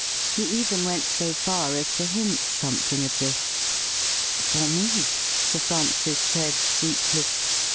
He even went so far as to hint something of this. ' For me .P' Sir Francis said sweetly.